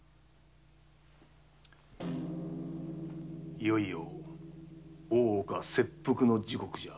いよいよ大岡切腹の時刻だ。